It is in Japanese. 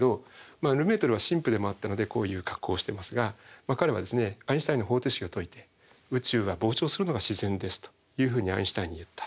ルメートルは神父でもあったのでこういう格好をしてますが彼はアインシュタインの方程式を解いて「宇宙は膨張するのが自然です」というふうにアインシュタインに言った。